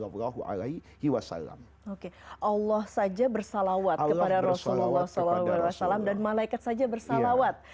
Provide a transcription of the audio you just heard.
allah saja bersalawat kepada rasulullah saw dan malaikat saja bersalawat